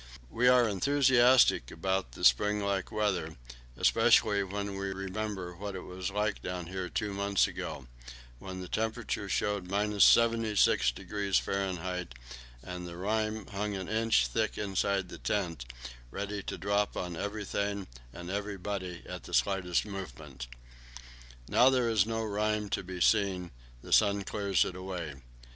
We are enthusiastic about the spring like weather, especially when we remember what it was like down here two months ago, when the thermometer showed 76° F., and the rime hung an inch thick inside the tent, ready to drop on everything and everybody at the slightest movement. Now there is no rime to be seen; the sun clears it away.